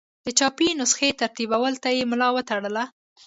د چاپي نسخې ترتیبولو ته یې ملا وتړله.